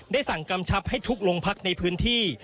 สั่งกำชับให้ทุกโรงพักในพื้นที่